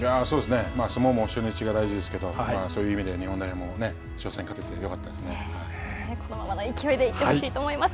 相撲も初日が大事ですけど、そういう意味で、日本代表も、初戦、このままの勢いで行ってほしいと思います。